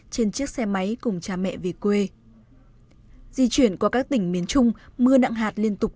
trên chiếc xe máy cùng cha mẹ về quê di chuyển qua các tỉnh miền trung mưa nặng hạt liên tục